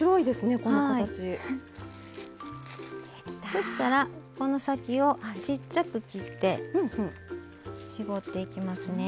そしたらこの先をちっちゃく切って絞っていきますね。